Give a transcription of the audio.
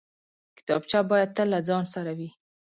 کتابچه باید تل له ځان سره وي